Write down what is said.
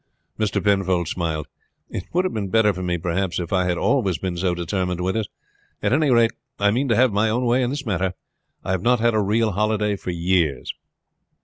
Mr. Penfold smiled. "It would have been better for me, perhaps, if I had always been so determined, Withers. At any rate I mean to have my own way in this matter. I have not had a real holiday for years."